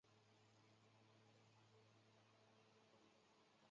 全球巴士航空是一家俄罗斯航空公司。